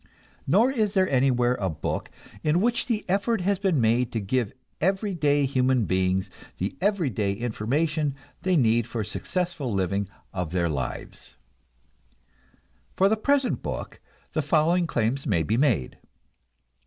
Nor is there anywhere a book in which the effort has been made to give to everyday human beings the everyday information they need for the successful living of their lives. For the present book the following claims may be made.